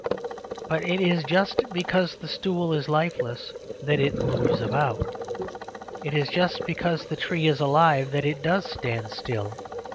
But it is just because the stool is lifeless that it moves about. It is just because the tree is alive that it does stand still.